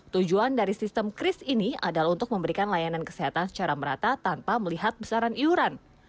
tujuan dari sistem kris ini adalah untuk memberikan layanan kesehatan secara merata tanpa melihat besaran iuran